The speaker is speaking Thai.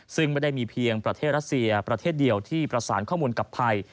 ซึ่งไม่ได้มีเพียงประเทศรัสเซียประเทศเดียวที่ประสานข้อมูลกับไทย